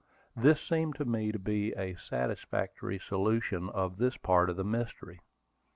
This seemed to me to be a satisfactory solution of this part of the mystery.